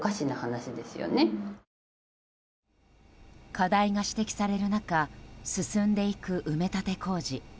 課題が指摘される中進んでいく埋め立て工事。